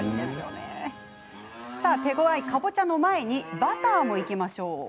手ごわいかぼちゃにいく前にバターもいきましょう。